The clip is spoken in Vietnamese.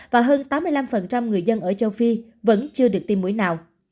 và hơn tám mươi năm người dân ở châu phi vẫn chưa được tiêm mũi nào